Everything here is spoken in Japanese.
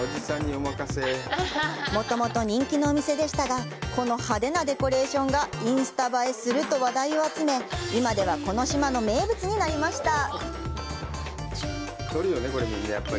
もともと人気のお店でしたがこの派手なデコレーションが「インスタ映えする！」と話題を集め今では、この島の名物になりました。